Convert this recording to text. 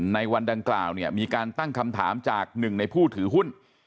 ในวันดังกล่าวเนี่ยมีการตั้งคำถามจากหนึ่งในผู้ถือหุ้น